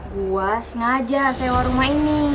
gua sengaja sewa rumah ini